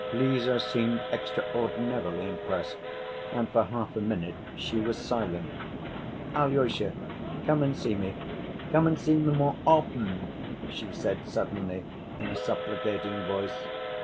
Lise seemed extraordinarily impressed and for half a minute she was silent. "Alyosha, come and see me, come and see me more often," she said suddenly, in a supplicating voice.